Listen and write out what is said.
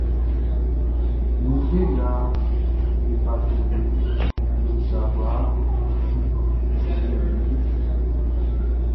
Ninnge nga be fa to beʼn be o lika kwlaa, ɔ ti srilɛ like!